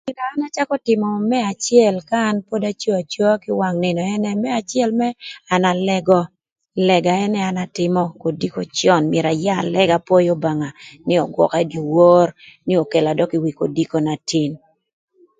Ëka gin na an acakö tïmö më acël ka an pod aco acoa kï wang nïnö ënë më acël mërë an alëgö, lëga ënë an atïmö kodiko cön myero aya alëg apwöyö Obanga nï ögwaka ï dyewor, nï okelo dökï ï kodiko na tin.